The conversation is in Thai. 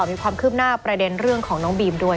มีความคืบหน้าประเด็นเรื่องของน้องบีมด้วย